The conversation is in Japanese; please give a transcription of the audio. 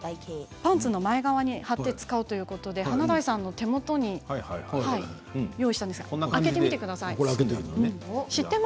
パンツの前側に貼って使うということで、華大さんの手元に用意したんですが開けてみてください。